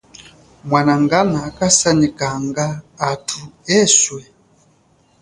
Mwanangana kasanyikanga athu eswe.